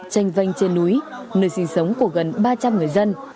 tranh vanh trên núi nơi sinh sống của gần ba trăm linh người dân